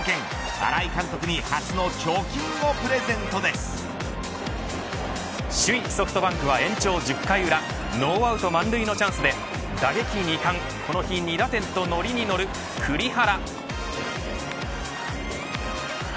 新井監督に首位ソフトバンクは延長１０回裏ノーアウト満塁のチャンスで打撃２冠この日２打点とノリに乗る栗原。